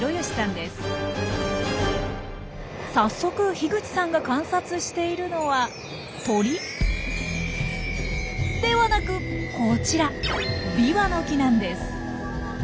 早速口さんが観察しているのは鳥？ではなくこちらビワの木なんです。